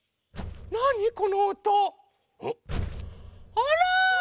あら！